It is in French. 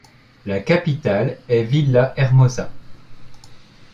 La capitale est Villahermosa.